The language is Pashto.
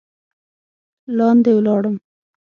لاندې ولاړم.